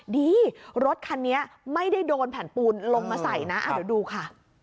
รถคันนี้ไม่ได้โดนแผ่นปูนลงมาใส่นะเดี๋ยวดูค่ะ